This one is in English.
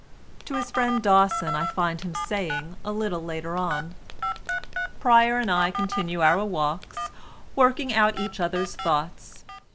To his friend Dawson I find him saying a little later on: "Pryer and I continue our walks, working out each other's thoughts.